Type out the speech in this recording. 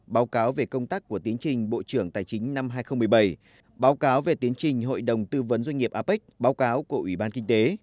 báo cáo về công tác của tiến trình bộ trưởng tài chính năm hai nghìn một mươi bảy báo cáo về tiến trình hội đồng tư vấn doanh nghiệp apec báo cáo của ủy ban kinh tế